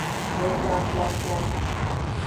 Eda flfla.